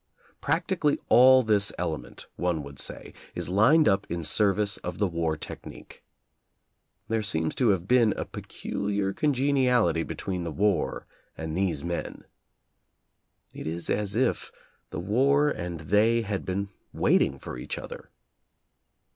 Practically all this ele ment, one would say, is lined up in service of the war technique. There seems to have been a pe culiar congeniality between the war and these men. It is as if the war and they had been waiting for each other.